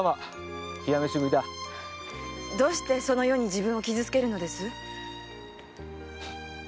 どうしてそのように自分を傷つけるのです？